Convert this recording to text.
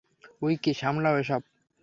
Wiki, সামলাও এসব।